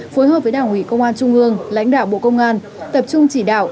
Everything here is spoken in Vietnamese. phối hợp với đảng ủy công an trung ương lãnh đạo bộ công an tập trung chỉ đạo